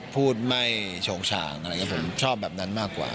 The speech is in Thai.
พูดไม่โชงฉางอะไรอย่างนี้ผมชอบแบบนั้นมากกว่า